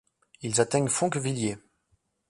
Ils atteignent Foncquevillers.